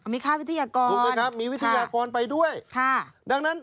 มีค่าวิทยากรถูกไหมครับมีวิทยากรไปด้วยค่ะดังนั้น